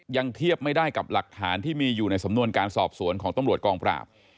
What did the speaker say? ยังเทียบไม่ได้กับหลักฐานที่มีอยู่ในสำนวนการสอบสวนของตำรวจกองปราบ